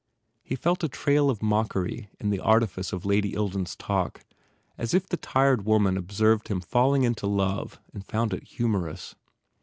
He felt a trail of mockery in the artifice of Lady Ilden s talk as if the tired woman observed him falling into love and found it humorous.